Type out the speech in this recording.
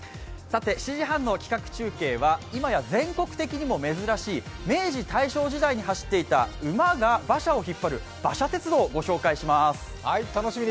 ７時半の企画中継は、今や全国的にも珍しい、明治・大正時代に走っていた馬が馬車を引っ張る馬車鉄道をご紹介します。